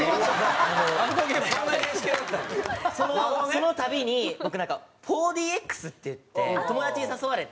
そのたびに僕なんか４ＤＸっていって友達に誘われて。